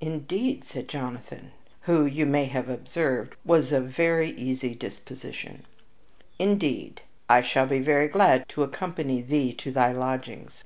"Indeed," said Jonathan, who, you may have observed, was of a very easy disposition "indeed, I shall be very glad to accompany thee to thy lodgings.